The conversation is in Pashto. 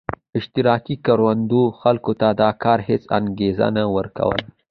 اشتراکي کروندو خلکو ته د کار هېڅ انګېزه نه ورکوله